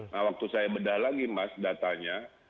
nah waktu saya bedah lagi mas datanya